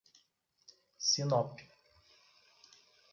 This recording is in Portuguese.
Sinop